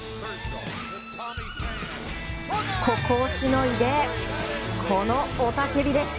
ここをしのいでこの雄たけびです。